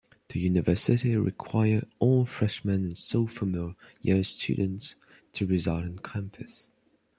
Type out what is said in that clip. The university requires all freshman- and sophomore-year students to reside on campus.